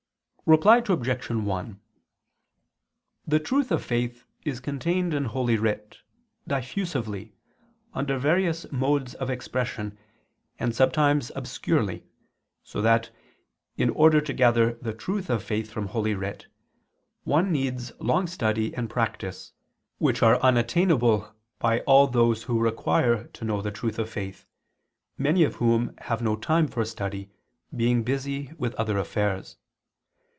Reply Obj. 1: The truth of faith is contained in Holy Writ, diffusely, under various modes of expression, and sometimes obscurely, so that, in order to gather the truth of faith from Holy Writ, one needs long study and practice, which are unattainable by all those who require to know the truth of faith, many of whom have no time for study, being busy with other affairs.